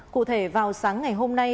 cụ thể vào sáng ngày hôm nay